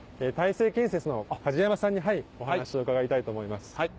大成建設の梶山さんにお話を伺いたいと思います。